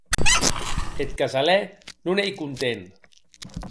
Eth casalèr non ei content.